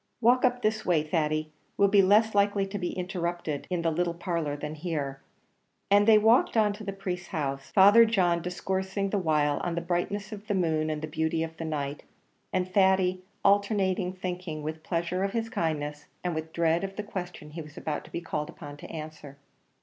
"Walk up this way, Thady; we'll be less likely to be interrupted in the little parlour than here;" and they walked on to the priest's house, Father John discoursing the while on the brightness of the moon and the beauty of the night, and Thady alternately thinking with pleasure of his kindness, and with dread of the questions he was about to be called upon to answer.